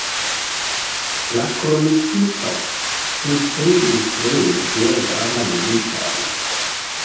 La kronikisto priskribis lin kiel granda militon.